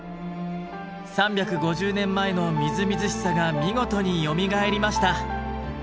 ３５０年前のみずみずしさが見事によみがえりました。